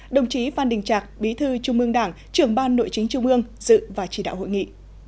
đồng chí phan đình trạc bí thư trung ương đảng trưởng ban nội chính trung ương dự và chỉ đạo hội nghị